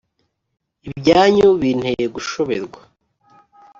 ibyanyu binteye gushoberwa